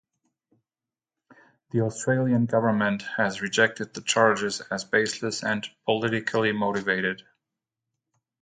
The Australian government has rejected the charges as "baseless and politically motivated".